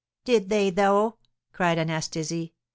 "Did they, though?" cried Anastasie.